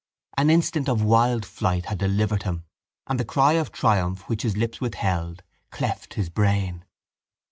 An instant of wild flight had delivered him and the cry of triumph which his lips withheld cleft his brain.